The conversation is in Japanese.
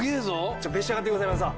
じゃあ召し上がってください今田さん。